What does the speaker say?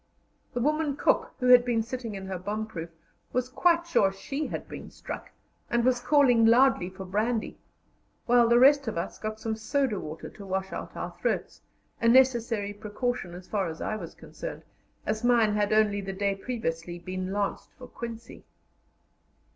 The woman cook, who had been sitting in her bomb proof, was quite sure she had been struck, and was calling loudly for brandy; while the rest of us got some soda water to wash out our throats a necessary precaution as far as I was concerned, as mine had only the day previously been lanced for quinsy.